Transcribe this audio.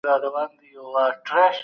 موږ دوی ته له کوره وتل مباح کړي دي.